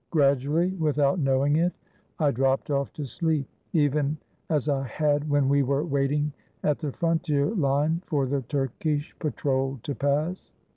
Gradually, without knowing it, I dropped off to sleep, even as I had when we were waiting at the frontier line for the Turkish patrol to pass.